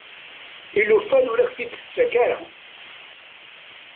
I lufan ur ak-t-id-tettakk ara.